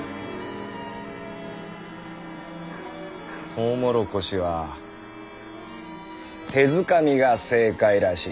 トウモロコシは「手づかみ」が正解らしい。